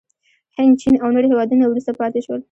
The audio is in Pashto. هند، چین او نور هېوادونه وروسته پاتې شول.